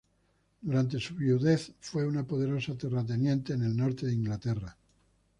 Durante su viudez, fue una poderosa terrateniente en el norte de Inglaterra.